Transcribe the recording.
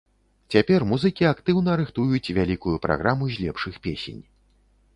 Цяпер музыкі актыўна рыхтуюць вялікую праграму з лепшых песень.